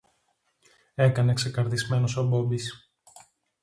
έκανε ξεκαρδισμένος ο Μπόμπης